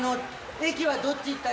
駅はどっちに行ったら。